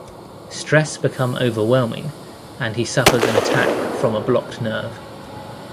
Stress become overwhelming and he suffers an attack from a blocked nerve.